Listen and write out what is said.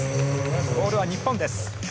ボールは日本です。